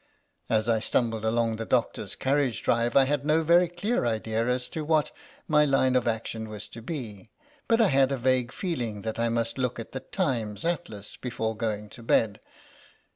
As I stumbled along the doctor's carriage drive I had no very clear idea as to what my line of action was to be, but I had a vague feeling that I must look at the Times Atlas before going to bed.